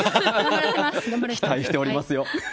期待しておりますよ。